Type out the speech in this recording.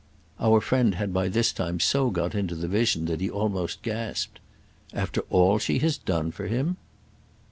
Our friend had by this time so got into the vision that he almost gasped. "After all she has done for him?"